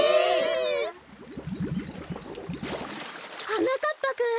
はなかっぱくん！